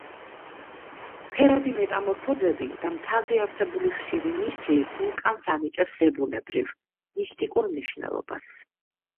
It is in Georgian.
ფერადი მეტამორფოზები და მთაზე არსებული ხშირი ნისლი ვულკანს ანიჭებს ზებუნებრივ, მისტიკურ მნიშვნელობას.